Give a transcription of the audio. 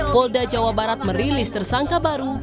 polda jawa barat merilis tersangka baru